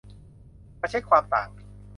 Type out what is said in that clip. มาเช็กความต่าง